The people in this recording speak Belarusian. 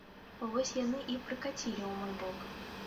Вось яны і прыкацілі ў мой бок.